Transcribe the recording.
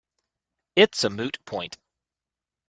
It is a moot point.